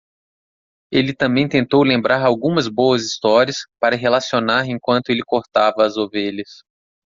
Ele também tentou lembrar algumas boas histórias para relacionar enquanto ele cortava as ovelhas.